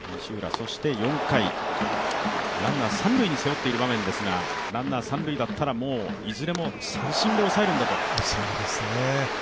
そして４回、ランナー三塁に背負っている場面ですが、ランナー三塁だったらもういずれも三振で抑えるんだと。